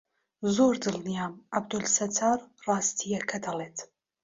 زۆر دڵنیام عەبدولستار ڕاستییەکە دەڵێت.